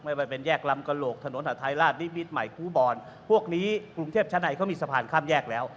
ว่าเป็นแยกลำกระโหลกถนนหาทัยราชนิมิตรใหม่ครูบอลพวกนี้กรุงเทพชั้นในเขามีสะพานข้ามแยกแล้ว